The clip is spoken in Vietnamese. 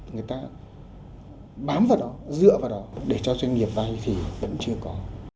người ta bám vào đó dựa vào đó để cho doanh nghiệp vay thì vẫn chưa có